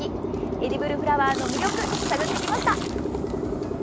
エディブルフラワーの魅力探ってきました！